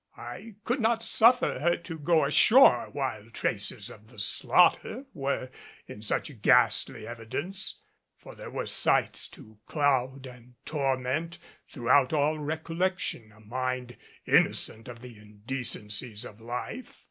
I could not suffer her to go ashore while traces of the slaughter were in such ghastly evidence. For there were sights to cloud and torment throughout all recollection a mind innocent of the indecencies of life.